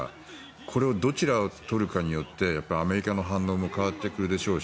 これをどちらを取るかによってアメリカの反応も変わってくるでしょうし